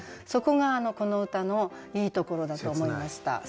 そこがこの歌のいいところだと思いました。